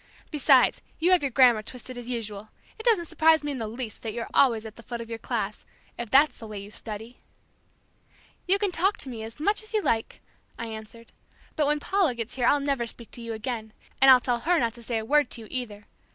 Besides you have your grammar twisted as usual. It doesn't surprise me in the least that you're always at the foot of the class, if that's the way you study." "You can talk to me as you like," I answered, "but when Paula gets here I'll never speak to you again, and I'll tell her not to say a word to you either.